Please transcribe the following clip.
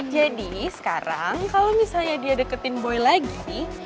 jadi sekarang kalo misalnya dia deketin boy lagi